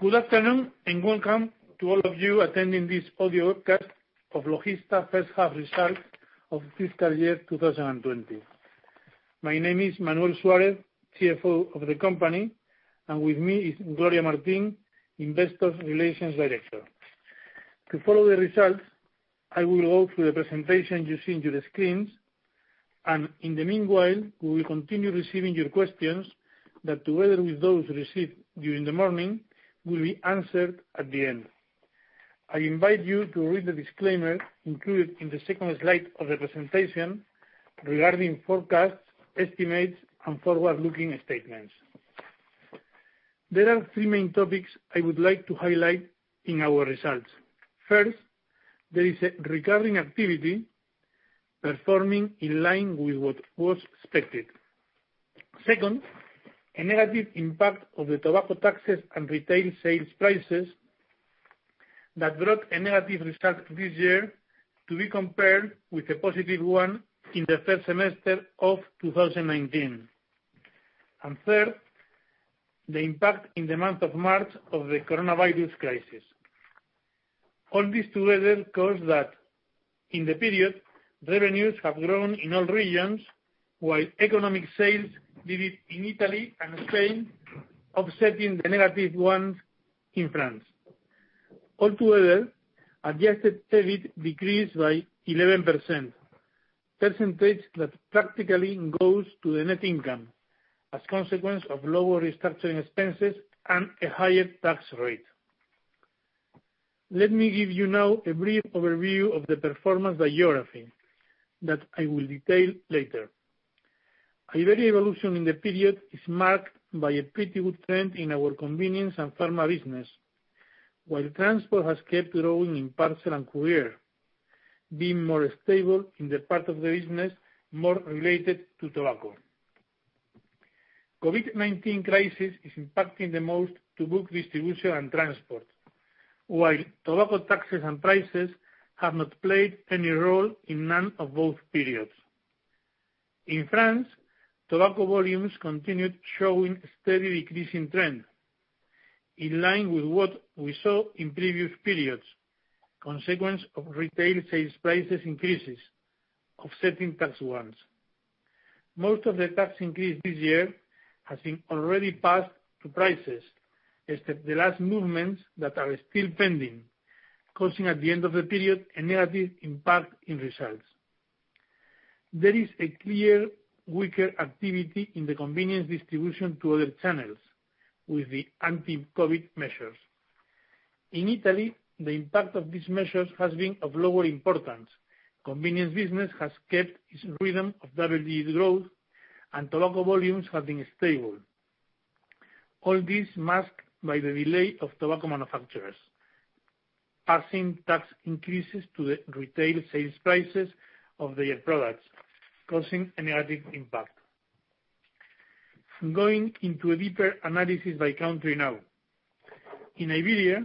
Good afternoon and welcome to all of you attending this audio webcast of Logista first half results of fiscal year 2020. My name is Manuel Suárez, CFO of the company, and with me is Gloria Martín, Investor Relations Director. To follow the results, I will go through the presentation using your screens, and in the meanwhile, we will continue receiving your questions that, together with those received during the morning, will be answered at the end. I invite you to read the disclaimer included in the second slide of the presentation regarding forecasts, estimates, and forward-looking statements. There are three main topics I would like to highlight in our results. First, there is a recurring activity performing in line with what was expected. Second, a negative impact of the tobacco taxes and retail sales prices that brought a negative result this year to be compared with a positive one in the first semester of 2019. And third, the impact in the month of March of the coronavirus crisis. All this together caused that, in the period, revenues have grown in all regions, while economic sales did it in Italy and Spain, offsetting the negative ones in France. Altogether, adjusted EBIT decreased by 11%, a percentage that practically goes to the net income as a consequence of lower restructuring expenses and a higher tax rate. Let me give you now a brief overview of the performance by geography that I will detail later. Iberia evolution in the period is marked by a pretty good trend in our convenience and pharma business, while transport has kept growing in parcel and courier, being more stable in the part of the business more related to tobacco. The COVID-19 crisis is impacting the most to book distribution and transport, while tobacco taxes and prices have not played any role in none of both periods. In France, tobacco volumes continued showing a steady decreasing trend, in line with what we saw in previous periods, a consequence of retail sales prices increases, offsetting tax ones. Most of the tax increase this year has already passed to prices, except the last movements that are still pending, causing, at the end of the period, a negative impact in results. There is a clear weaker activity in the convenience distribution to other channels with the anti-COVID measures. In Italy, the impact of these measures has been of lower importance. Convenience business has kept its rhythm of double-digit growth, and tobacco volumes have been stable. All this masked by the delay of tobacco manufacturers, passing tax increases to the retail sales prices of their products, causing a negative impact. Going into a deeper analysis by country now, in Iberia,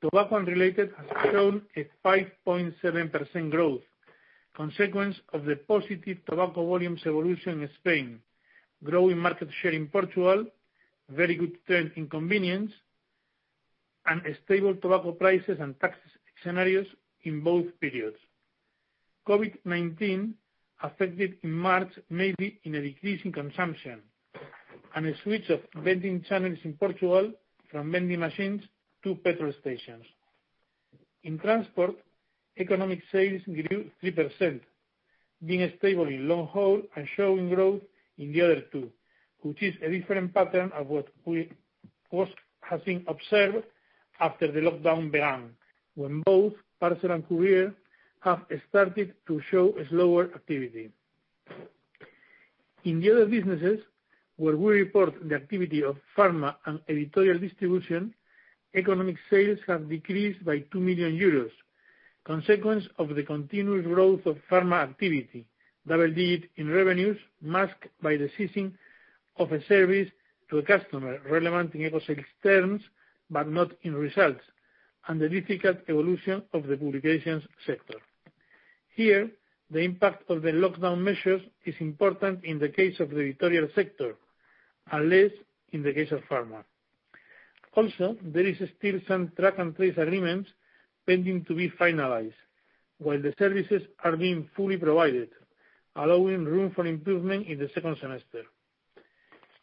Tobacco and related has shown a 5.7% growth, a consequence of the positive tobacco volumes evolution in Spain, growing market share in Portugal, a very good trend in convenience, and stable tobacco prices and tax scenarios in both periods. COVID-19 affected in March mainly a decrease in consumption and a switch of vending channels in Portugal from vending machines to petrol stations. In transport, economic sales grew 3%, being stable in long haul and showing growth in the other two, which is a different pattern of what was observed after the lockdown began, when both parcel and courier have started to show a slower activity. In the other businesses, where we report the activity of pharma and editorial distribution, economic sales have decreased by 2 million euros, a consequence of the continuous growth of pharma activity, double-digit in revenues masked by the ceasing of a service to a customer relevant in economic sales terms but not in results, and the difficult evolution of the publications sector. Here, the impact of the lockdown measures is important in the case of the editorial sector, unless in the case of pharma. Also, there are still some track and trace agreements pending to be finalized, while the services are being fully provided, allowing room for improvement in the second semester.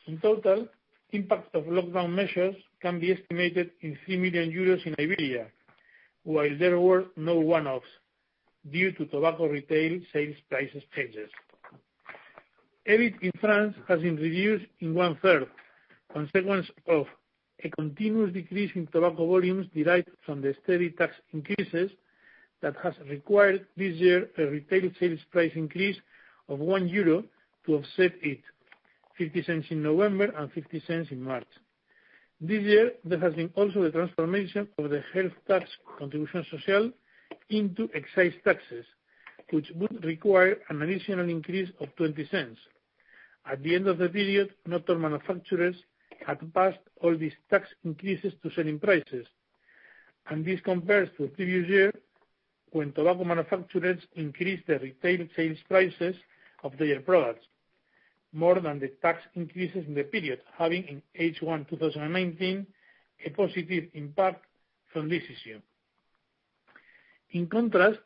In total, the impact of lockdown measures can be estimated in 3 million euros in Iberia, while there were no one-offs due to tobacco retail sales price changes. EBIT in France has been reduced in one-third, a consequence of a continuous decrease in tobacco volumes derived from the steady tax increases that have required this year a retail sales price increase of 1 euro to offset it, 0.50 in November and 0.50 in March. This year, there has been also the transformation of the Contribution Sociale into excise taxes, which would require an additional increase of 0.20. At the end of the period, not all manufacturers had passed all these tax increases to selling prices, and this compares to the previous year when tobacco manufacturers increased the retail sales prices of their products more than the tax increases in the period, having in H1 2019 a positive impact from this issue. In contrast,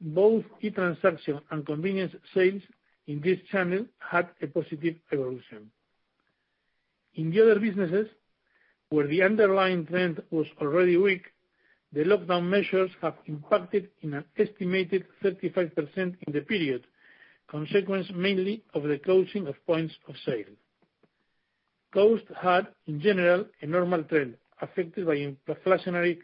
both e-transaction and convenience sales in this channel had a positive evolution. In the other businesses, where the underlying trend was already weak, the lockdown measures have impacted in an estimated 35% in the period, a consequence mainly of the closing of points of sale. Cost had, in general, a normal trend affected by inflationary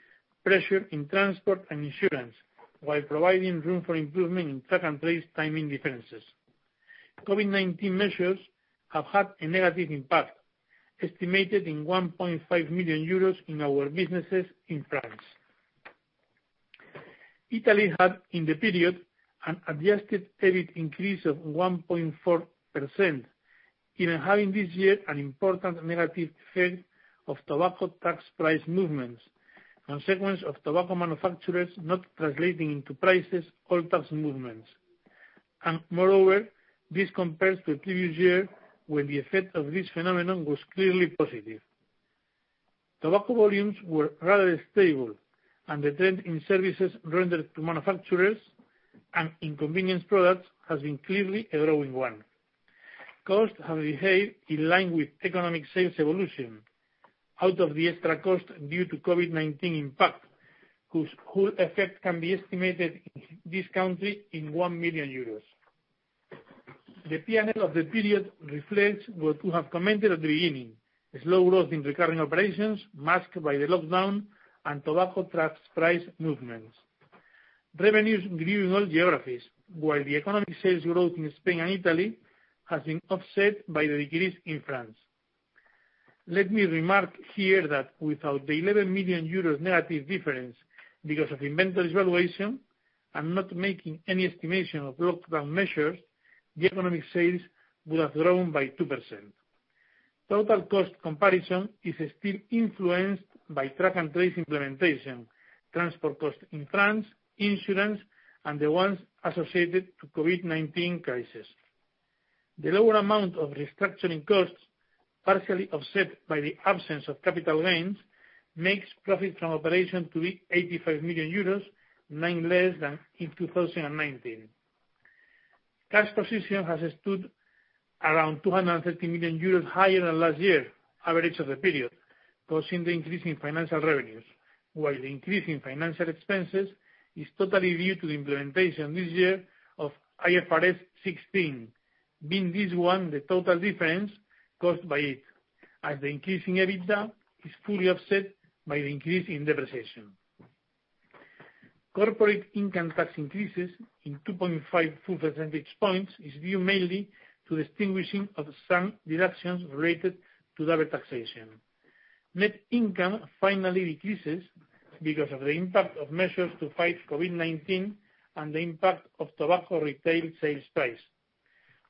pressure in transport and insurance, while providing room for improvement in track and trace timing differences. COVID-19 measures have had a negative impact, estimated in 1.5 million euros in our businesses in France. Italy had, in the period, an Adjusted EBIT increase of 1.4%, even having this year an important negative effect of tobacco tax price movements, a consequence of tobacco manufacturers not translating into prices all tax movements. Moreover, this compares to the previous year, when the effect of this phenomenon was clearly positive. Tobacco volumes were rather stable, and the trend in services rendered to manufacturers and in convenience products has been clearly a growing one. Cost has behaved in line with Economic Sales evolution out of the extra cost due to COVID-19 impact, whose whole effect can be estimated in this country in one million euros. The P&L of the period reflects what we have commented at the beginning: slow growth in recurring operations masked by the lockdown and tobacco tax price movements. Revenues grew in all geographies, while the economic sales growth in Spain and Italy has been offset by the decrease in France. Let me remark here that without the 11 million euros negative difference because of inventory valuation and not making any estimation of lockdown measures, the economic sales would have grown by 2%. Total cost comparison is still influenced by track and trace implementation, transport cost in France, insurance, and the ones associated to COVID-19 crisis. The lower amount of restructuring costs, partially offset by the absence of capital gains, makes profit from operation to be 85 million euros, nine less than in 2019. Cash position has stood around 230 million euros higher than last year, average of the period, causing the increase in financial revenues, while the increase in financial expenses is totally due to the implementation this year of IFRS 16, being this one the total difference caused by it, as the increase in EBITDA is fully offset by the increase in depreciation. Corporate income tax increases in 2.5 full percentage points are due mainly to the extinguishing of some deductions related to double taxation. Net income finally decreases because of the impact of measures to fight COVID-19 and the impact of tobacco retail sales price,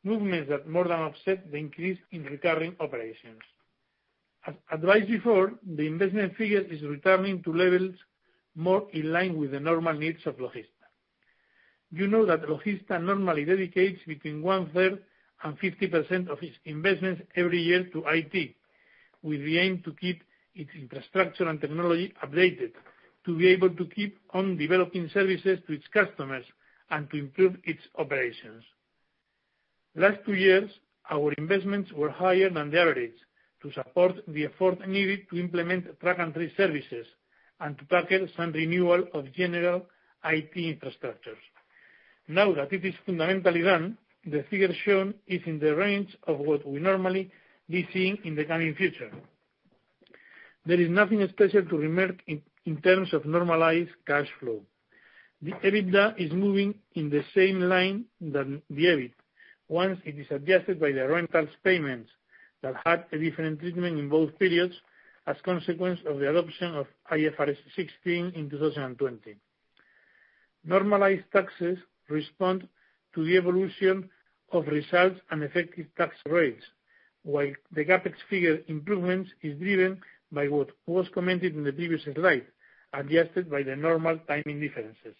movements that more than offset the increase in recurring operations. As advised before, the investment figure is returning to levels more in line with the normal needs of Logista. You know that Logista normally dedicates between one-third and 50% of its investments every year to IT, with the aim to keep its infrastructure and technology updated, to be able to keep on developing services to its customers and to improve its operations. Last two years, our investments were higher than the average to support the effort needed to implement track and trace services and to tackle some renewal of general IT infrastructures. Now that it is fundamentally done, the figure shown is in the range of what we normally be seeing in the coming future. There is nothing special to remark in terms of normalized cash flow. The EBITDA is moving in the same line than the EBIT, once it is adjusted by the rentals payments that had a different treatment in both periods as a consequence of the adoption of IFRS 16 in 2020. Normalized taxes respond to the evolution of results and effective tax rates, while the CAPEX figure improvement is driven by what was commented in the previous slide, adjusted by the normal timing differences.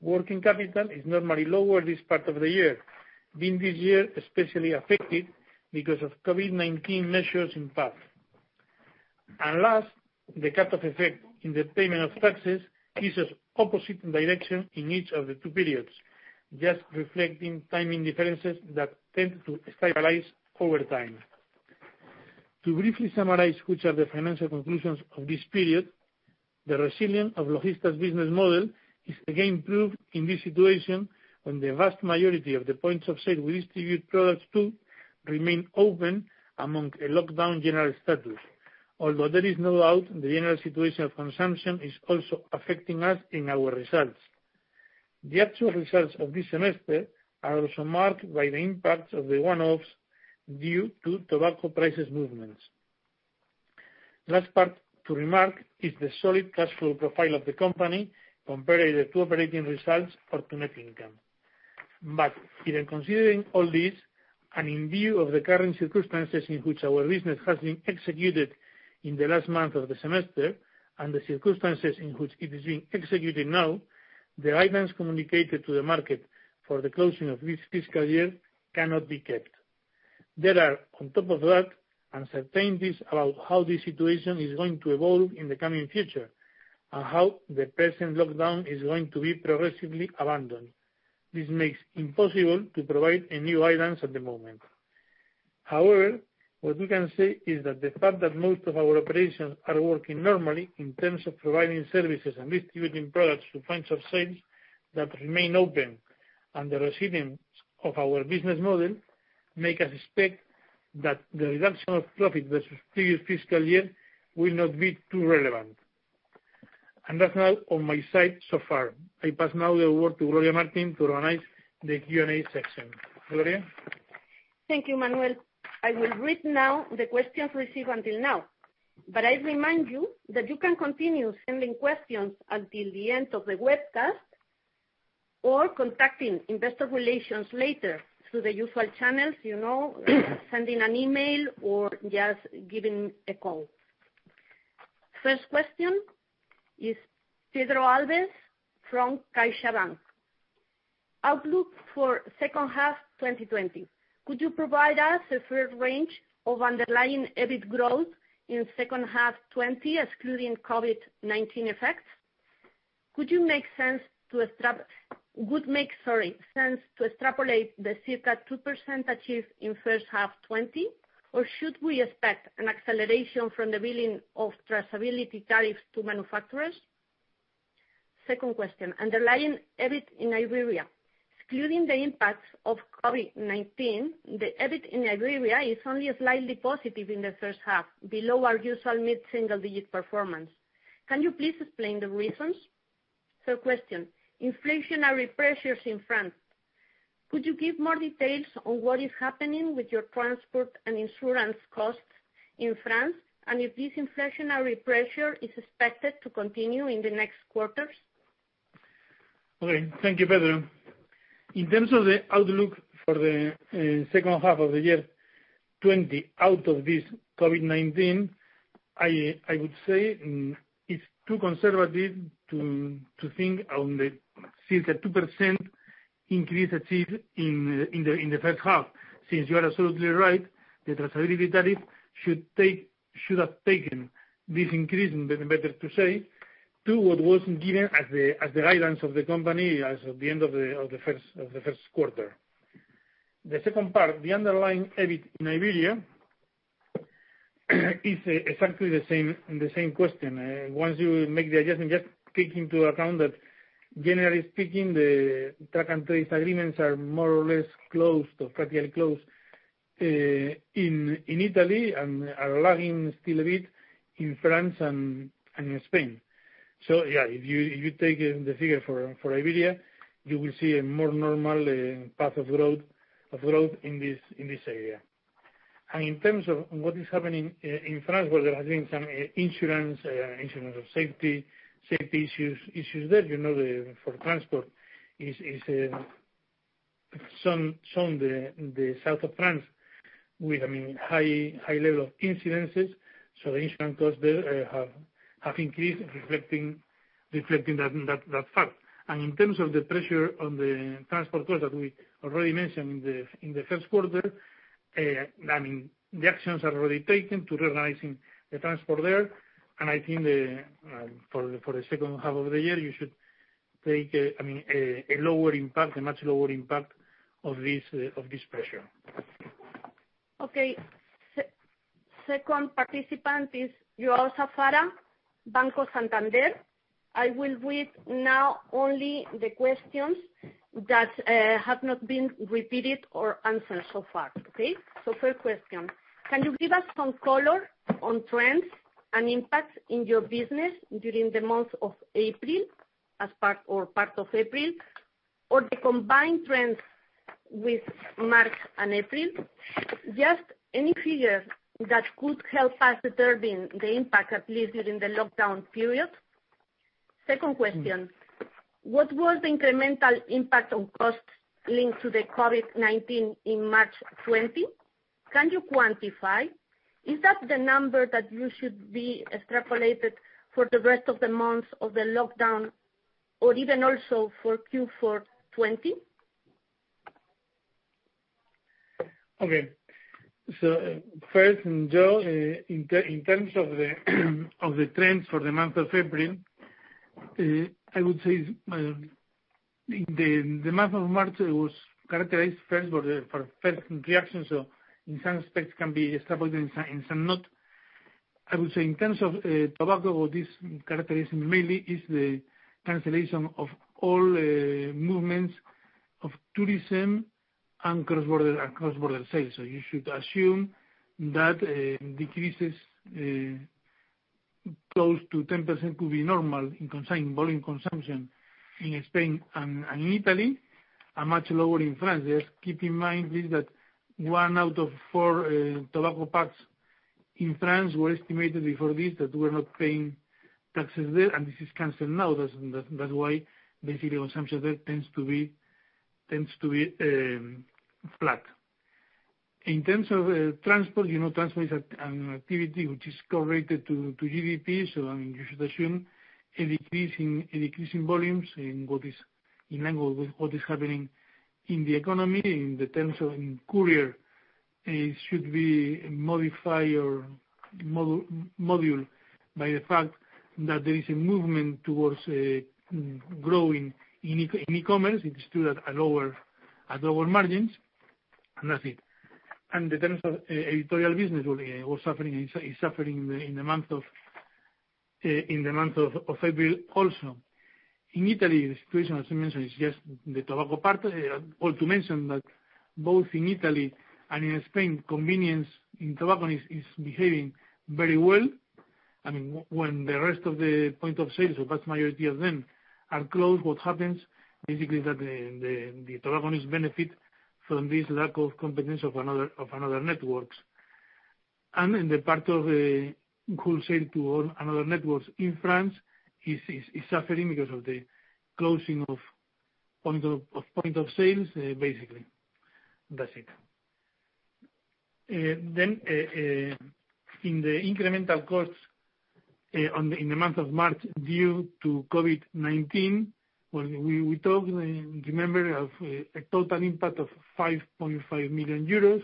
Working capital is normally lower this part of the year, being this year especially affected because of COVID-19 measures in part, and last, the cut-off effect in the payment of taxes is opposite in direction in each of the two periods, just reflecting timing differences that tend to stabilize over time. To briefly summarize which are the financial conclusions of this period, the resilience of Logista's business model is again proved in this situation when the vast majority of the points of sale we distribute products to remain open among a lockdown general status, although there is no doubt the general situation of consumption is also affecting us in our results. The actual results of this semester are also marked by the impact of the one-offs due to tobacco prices movements. Last part to remark is the solid cash flow profile of the company compared to operating results or to net income. But even considering all this, and in view of the current circumstances in which our business has been executed in the last month of the semester and the circumstances in which it is being executed now, the guidance communicated to the market for the closing of this fiscal year cannot be kept. There are, on top of that, uncertainties about how this situation is going to evolve in the coming future and how the present lockdown is going to be progressively abandoned. This makes it impossible to provide a new guidance at the moment. However, what we can say is that the fact that most of our operations are working normally in terms of providing services and distributing products to points of sales that remain open and the resilience of our business model makes us expect that the reduction of profit versus previous fiscal year will not be too relevant. And that's all on my side so far. I pass now the word to Gloria Martín to organize the Q&A section. Gloria? Thank you, Manuel. I will read now the questions received until now, but I remind you that you can continue sending questions until the end of the webcast or contacting Investor Relations later through the usual channels, sending an email or just giving a call. First question is Pedro Alves from CaixaBank. Outlook for second half 2020, could you provide us a fair range of underlying EBIT growth in second half 2020, excluding COVID-19 effects? Could you make sense to extrapolate the circa 2% achieved in first half 2020, or should we expect an acceleration from the billing of traceability tariffs to manufacturers? Second question, underlying EBIT in Iberia, excluding the impacts of COVID-19, the EBIT in Iberia is only slightly positive in the first half, below our usual mid-single-digit performance. Can you please explain the reasons? Third question, inflationary pressures in France. Could you give more details on what is happening with your transport and insurance costs in France, and if this inflationary pressure is expected to continue in the next quarters? Okay, thank you, Pedro. In terms of the outlook for the second half of the year 2020 out of this COVID-19, I would say it's too conservative to think on the circa 2% increase achieved in the first half. Since you are absolutely right, the track and trace tariff should have taken this increase, better to say, to what was given as the guidance of the company as of the end of the first quarter. The second part, the underlying EBIT in Iberia, is exactly the same question. Once you make the adjustment, just take into account that, generally speaking, the track and trace agreements are more or less closed, or practically closed, in Italy and are lagging still a bit in France and Spain. So yeah, if you take the figure for Iberia, you will see a more normal path of growth in this area. In terms of what is happening in France, where there has been some insurance of safety issues there for transport, especially shown in the south of France with a high level of incidents, so the insurance costs there have increased, reflecting that fact. In terms of the pressure on the transport costs that we already mentioned in the first quarter, the actions are already taken to reorganize the transport there, and I think for the second half of the year, you should take a lower impact, a much lower impact of this pressure. Okay, second participant is João Safara, Banco Santander. I will read now only the questions that have not been repeated or answered so far, okay? So first question, can you give us some color on trends and impacts in your business during the month of April, or part of April, or the combined trends with March and April? Just any figure that could help us determine the impact, at least during the lockdown period. Second question, what was the incremental impact on costs linked to the COVID-19 in March 2020? Can you quantify? Is that the number that you should be extrapolated for the rest of the months of the lockdown, or even also for Q4 2020? Okay, so first, Joao, in terms of the trends for the month of April, I would say the month of March was characterized first for first reaction, so in some respects can be extrapolated in some note. I would say in terms of tobacco, what is characterized mainly is the cancellation of all movements of tourism and cross-border sales. So you should assume that decreases close to 10% could be normal in volume consumption in Spain and in Italy, and much lower in France. Just keep in mind, please, that one out of four tobacco packs in France were estimated before this that were not paying taxes there, and this is canceled now. That's why basically consumption there tends to be flat. In terms of transport, transport is an activity which is correlated to GDP, so you should assume a decrease in volumes in what is happening in the economy. In terms of courier, it should be modified or modulated by the fact that there is a movement towards growing in e-commerce. It's still at lower margins, and that's it. In terms of retail business, it was suffering in the month of April also. In Italy, the situation, as I mentioned, is just the tobacco part, or to mention that both in Italy and in Spain, convenience and tobacco is behaving very well. I mean, when the rest of the points of sale, or vast majority of them, are closed, what happens basically is that the tobacco trade benefits from this lack of competition of another network. In the part of wholesale to another network in France is suffering because of the closing of points of sale, basically. That's it. In the incremental costs in the month of March due to COVID-19, we talked, remember, of a total impact of 5.5 million euros.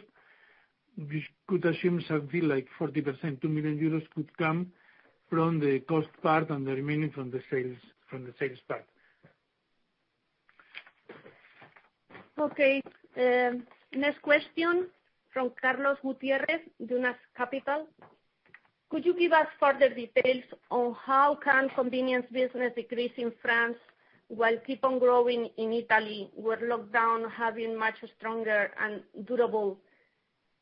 We could assume something like 40%, 2 million euros could come from the cost part and the remaining from the sales part. Okay, next question from Carlos Gutiérrez, Dunas Capital. Could you give us further details on how can convenience business decrease in France while keep on growing in Italy, where lockdown has been much stronger and durable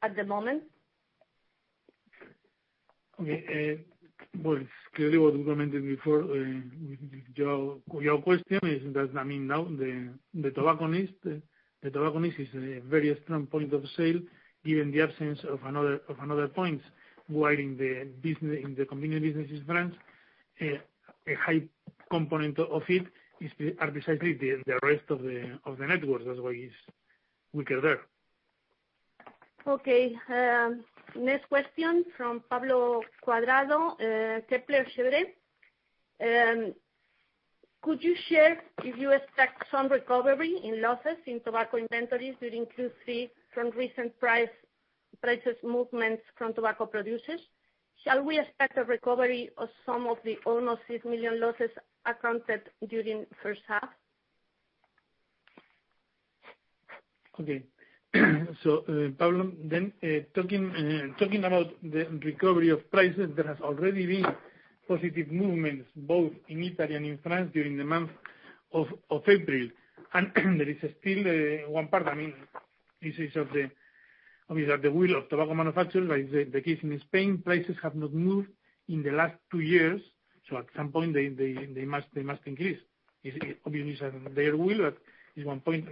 at the moment? Okay, well, clearly what we commented before, Joao's question is that, I mean, now the tobacco needs is a very strong point of sale, given the absence of another point while in the convenience business in France, a high component of it are precisely the rest of the networks. That's why it's weaker there. Okay, next question from Pablo Cuadrado, Kepler Cheuvreux. Could you share if you expect some recovery in losses in tobacco inventories during Q3 from recent prices movements from tobacco producers? Shall we expect a recovery of some of the almost six million losses accounted during first half? Okay, so Pablo, then talking about the recovery of prices, there has already been positive movements both in Italy and in France during the month of April, and there is still one part, I mean, this is of the will of tobacco manufacturers, but it's the case in Spain, prices have not moved in the last two years, so at some point they must increase. Obviously, it's their will, but it's one point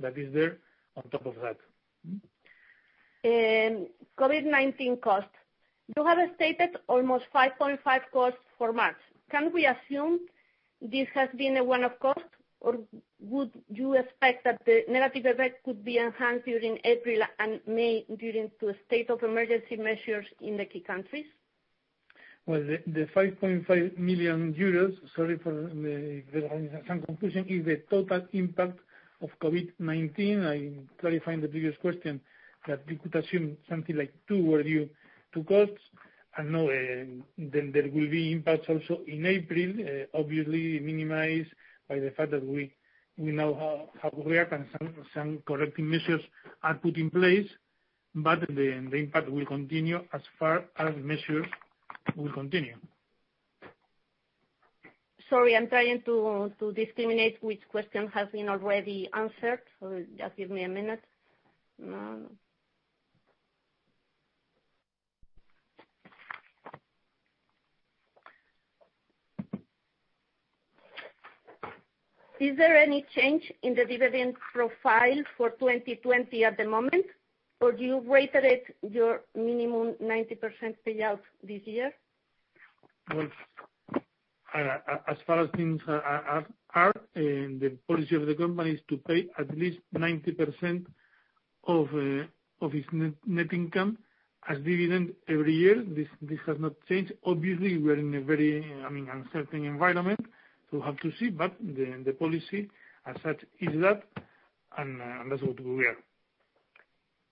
that is there on top of that. COVID-19 costs. You have stated almost 5.5 million costs for March. Can we assume this has been a one-off cost, or would you expect that the negative effect could be enhanced during April and May due to state of emergency measures in the key countries? Well, the 5.5 million euros, sorry for the very harsh conclusion, is the total impact of COVID-19. I clarified in the previous question that we could assume something like 2 or 2 costs, and then there will be impacts also in April, obviously minimized by the fact that we now have reacted and some corrective measures are put in place, but the impact will continue as far as measures will continue. Sorry, I'm trying to discriminate which question has been already answered. Just give me a minute. Is there any change in the dividend profile for 2020 at the moment, or do you rate it your minimum 90% payout this year? Well, as far as things are, the policy of the company is to pay at least 90% of its net income as dividend every year. This has not changed. Obviously, we are in a very, I mean, uncertain environment, so we have to see, but the policy as such is that, and that's what we are.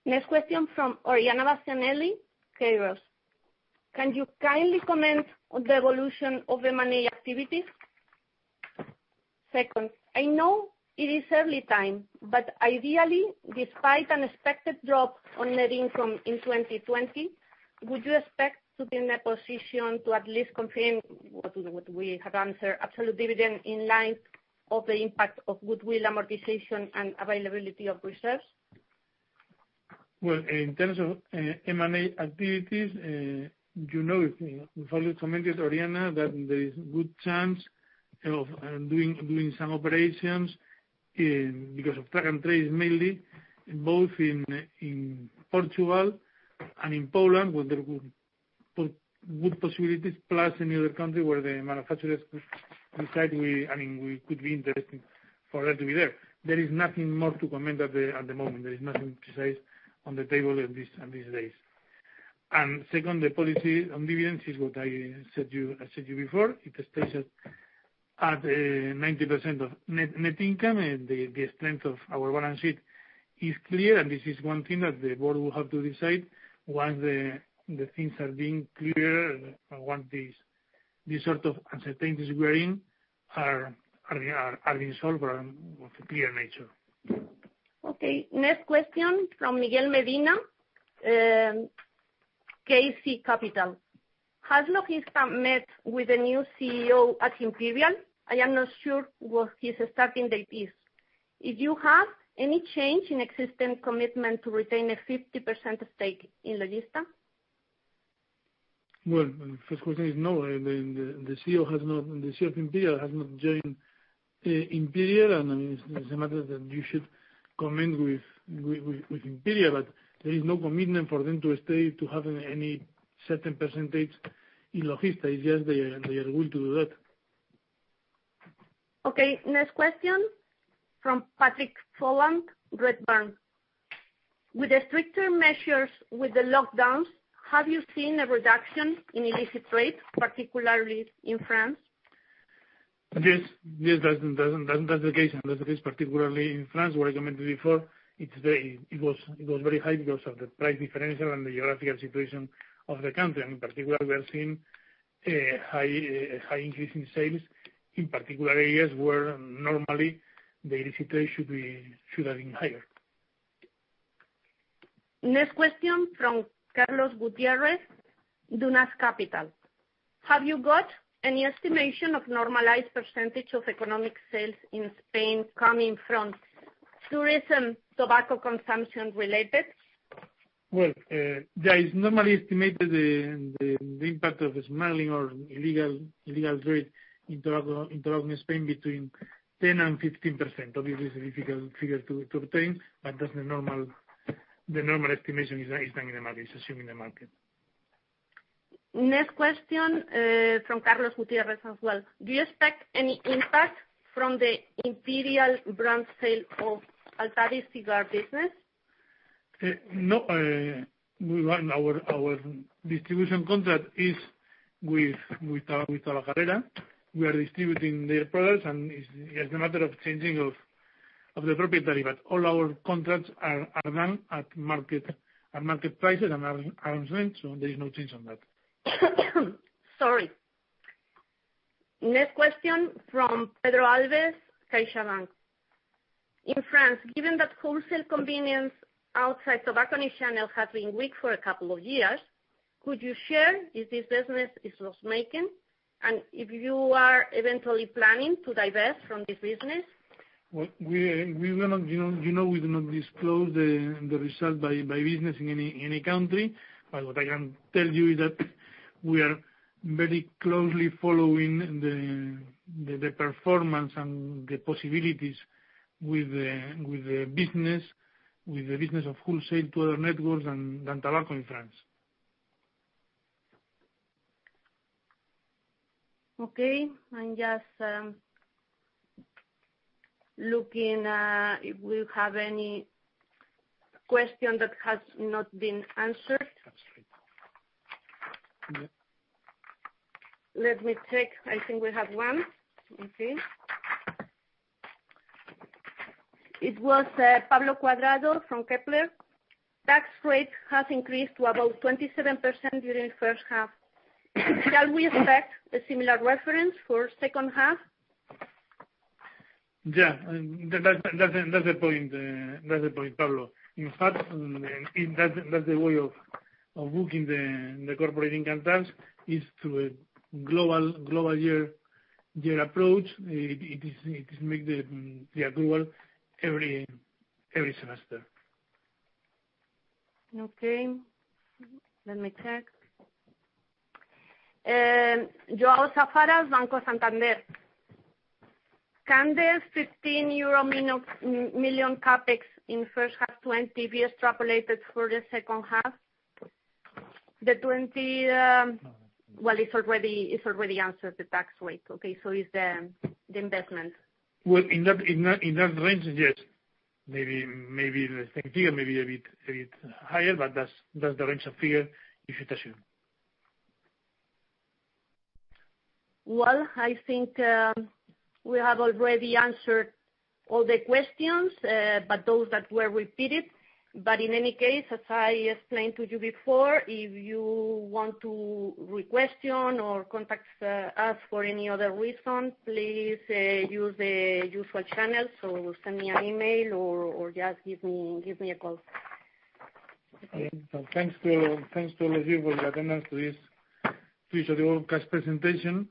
Next question from Oriana Bastianelli, Kairos. Can you kindly comment on the evolution of M&A activities? Second, I know it is early time, but ideally, despite an expected drop on net income in 2020, would you expect to be in a position to at least confirm what we have answered, absolute dividend in line of the impact of goodwill amortization and availability of reserves? Well, in terms of M&A activities, you know, we've already commented, Oriana, that there is a good chance of doing some operations because of track and trace mainly, both in Portugal and in Poland, where there would be good possibilities, plus any other country where the manufacturers decide we could be interested for them to be there. There is nothing more to comment at the moment. There is nothing precise on the table at these days. Second, the policy on dividends is what I said to you before. It stays at 90% of net income, and the strength of our balance sheet is clear, and this is one thing that the board will have to decide once the things are being cleared, once this sort of uncertainties we are in are being solved of a clear nature. Okay, next question from Miguel Medina, JB Capital. Has Logista met with the new CEO at Imperial? I am not sure what his starting date is. If you have any change in existing commitment to retain a 50% stake in Logista? Well, the first question is no. The CEO has not, the CEO of Imperial has not joined Imperial, and it's a matter that you should comment with Imperial, but there is no commitment for them to have any certain percentage in Logista. It's just their will to do that. Okay, next question from Patrick Folan, Redburn. With the stricter measures with the lockdowns, have you seen a reduction in illicit trade, particularly in France? Yes, yes, that's the case. And that's the case, particularly in France, where I commented before. It was very high because of the price differential and the geographical situation of the country. And in particular, we have seen a high increase in sales in particular areas where normally the illicit trade should have been higher. Next question from Carlos Gutierrez, Dunas Capital. Have you got any estimation of normalized percentage of economic sales in Spain coming from tourism, tobacco consumption related? Well, yeah, it's normally estimated the impact of smuggling or illegal trade in tobacco in Spain between 10% and 15%. Obviously, it's a difficult figure to obtain, but that's the normal estimation is done in the market, assuming the market. Next question from Carlos Gutierrez as well. Do you expect any impact from the Imperial Brands sale of Altadis Cigar business? No. Our distribution contract is with Tabacalera. We are distributing their products, and it's a matter of changing of the proprietary, but all our contracts are done at market prices and are on sale, so there is no change on that. Sorry. Next question from Pedro Alves, CaixaBank. In France, given that wholesale convenience outside tobacco in each channel has been weak for a couple of years, could you share if this business is loss-making? And if you are eventually planning to divest from this business? Well, you know we do not disclose the result by business in any country, but what I can tell you is that we are very closely following the performance and the possibilities with the business of wholesale to other networks and tobacco in France. Okay, I'm just looking if we have any question that has not been answered. Let me check. I think we have one. Okay. It was Pablo Cuadrado from Kepler. Tax rate has increased to about 27% during first half. Shall we expect a similar reference for second half? Yeah, that's the point, Pablo. In fact, that's the way of booking the corporate income tax is through a global year approach. It is made global every semester. Okay, let me check. Joao Safara, Banco Santander. Can this 15 million CAPEX in first half 2020 be extrapolated for the second half? The 20, well, it's already answered the tax rate. Okay, so it's the investment. Well, in that range, yes. Maybe the same figure, maybe a bit higher, but that's the range of figure you should assume. Well, I think we have already answered all the questions, but those that were repeated. But in any case, as I explained to you before, if you want to request or contact us for any other reason, please use the usual channel, so send me an email or just give me a call. Okay, thanks to all of you for your attendance to this virtual presentation.